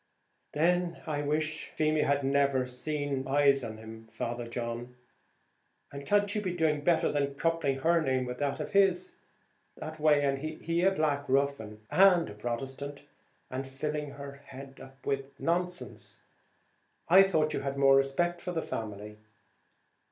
"Then I wish Feemy had never set eyes on him, Father John; and can't you be doing better than coupling her name with that of his, that way? and he a black ruffian and a Protestant, and filling her head up with nonsense: I thought you had more respect for the family.